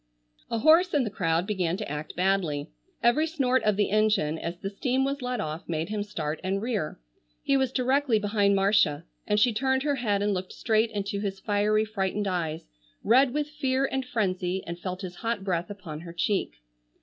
A horse in the crowd began to act badly. Every snort of the engine as the steam was let off made him start and rear. He was directly behind Marcia, and she turned her head and looked straight into his fiery frightened eyes, red with fear and frenzy, and felt his hot breath upon her cheek.